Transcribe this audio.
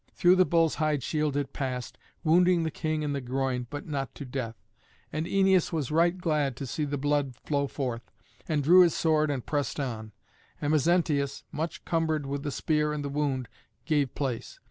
Through the bull's hide shield it passed, wounding the king in the groin, but not to death. And Æneas was right glad to see the blood flow forth, and drew his sword and pressed on; and Mezentius, much cumbered with the spear and the wound, gave place.